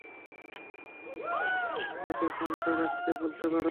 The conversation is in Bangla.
হেই, তাকে ফোনটা রাখতে বলতে পারো?